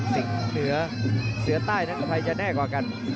เหนือเสือใต้นั้นใครจะแน่กว่ากัน